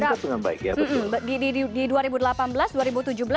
ditangkap dengan baik ya betul